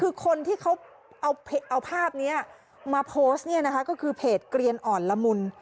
คือคนที่เขาเอาภาพนี้มาโพสต์เนี่ยนะคะก็คือเพจเกลียนอ่อนละมุน